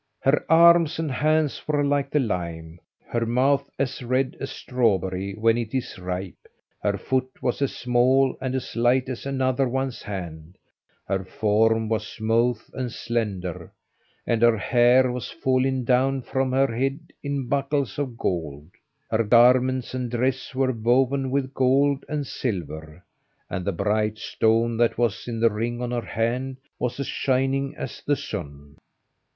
Her arms and hands were like the lime, her mouth as red as a strawberry when it is ripe, her foot was as small and as light as another one's hand, her form was smooth and slender, and her hair was falling down from her head in buckles of gold. Her garments and dress were woven with gold and silver, and the bright stone that was in the ring on her hand was as shining as the sun.